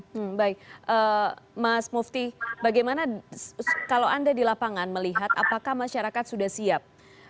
hmm baik mas mufti bagaimana kalau anda di lapangan melihat apakah masyarakat sudah siap